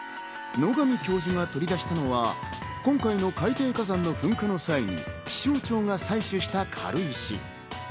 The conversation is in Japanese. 野上教授が取り出したのは今回の海底火山の噴火の際に気象庁が採取した軽石。